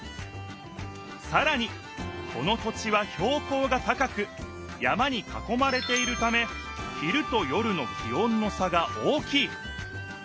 さらにこの土地はひょう高が高く山にかこまれているため昼と夜の気温の差が大きい。